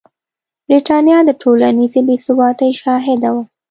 برېټانیا د ټولنیزې بې ثباتۍ شاهده وه.